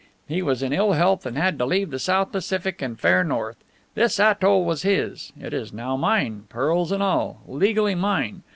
He was in ill health and had to leave the South Pacific and fare north. This atoll was his. It is now mine, pearls and all, legally mine.